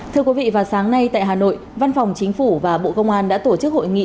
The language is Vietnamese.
thưa quý vị vào sáng nay tại hà nội văn phòng chính phủ và bộ công an đã tổ chức hội nghị